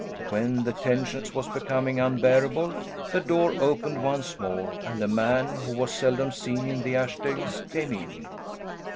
When the tension was becoming unbearable the door opened once more and a man who was seldom seen in the Ashdales came in.